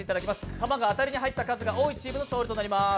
玉が当たりに入った数が多いチームが勝利になります。